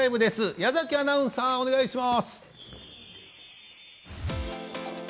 矢崎アナウンサーよろしくお願いします。